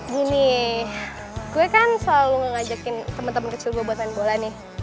gini gue kan selalu ngajakin temen temen kecil gue buat main bola nih